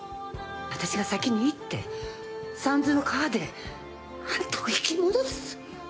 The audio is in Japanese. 私が先に行って三途の川であんたを引き戻す。